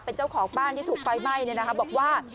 เป็นเจ้าของบ้านที่ถูกไฟไหม้บอกว่า